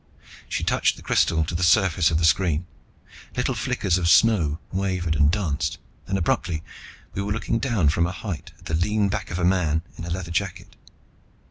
She touched the crystal to the surface of the screen. Little flickers of snow wavered and danced. Then, abruptly, we were looking down from a height at the lean back of a man in a leather jacket.